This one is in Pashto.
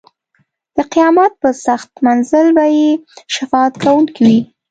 د قیامت په سخت منزل به یې شفاعت کوونکی وي.